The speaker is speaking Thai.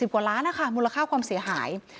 กว่าล้านนะคะมูลค่าความเสียหาย